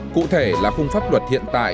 cụ thể là khung pháp luật hiện tại